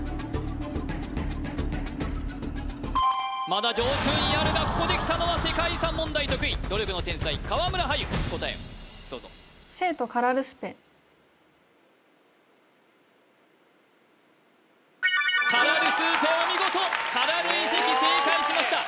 まだ上空にあるがここできたのは世界遺産問題得意努力の天才川村はゆ答えをどうぞカラル−スーペお見事カラル遺跡正解しました